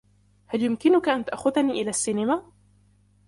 هل يمكن أن تأخذني إلى السينما ؟